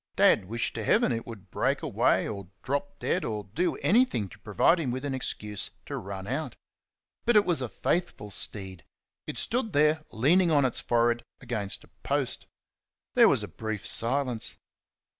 Dad wished to heaven it would break away, or drop dead, or do anything to provide him with an excuse to run out. But it was a faithful steed. It stood there leaning on its forehead against a post. There was a brief silence.